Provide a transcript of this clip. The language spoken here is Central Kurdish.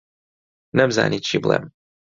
نەمزانی چی بڵێم.